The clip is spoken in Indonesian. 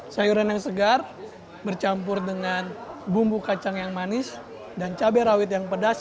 sayuran yang segar bercampur dengan bumbu kacang yang manis dan cabai rawit yang pedas